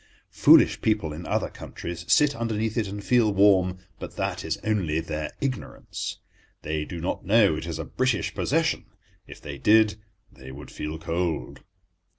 Foolish people in other countries sit underneath it and feel warm, but that is only their ignorance. They do not know it is a British possession; if they did they would feel cold.